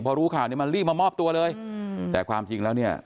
พอรู้ข่าวเนี่ยมันรีบมามอบตัวเลยอืมแต่ความจริงแล้วเนี่ย